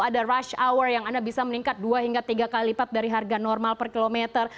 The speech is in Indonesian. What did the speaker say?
ada rush hour yang anda bisa meningkat dua hingga tiga kali lipat dari harga normal per kilometer